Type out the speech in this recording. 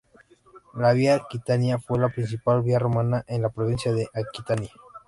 La Vía Aquitania fue la principal vía romana en la provincia de Aquitania.